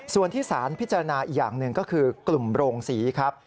ส่วนที่สารพิจารณาอีกอย่างหนึ่งก็คือกลุ่มโรงศรีครับ